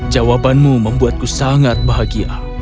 jawabanmu membuatku sangat bahagia